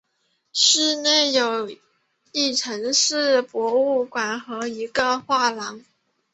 市内有一城市博物馆和一个画廊。